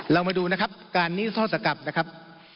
เรามาดูนะครับการนิรโทษกรรมนะครับ